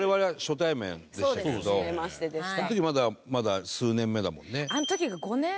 その時まだ数年目だもんね。